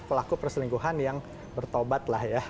pelaku perselingkuhan yang bertobat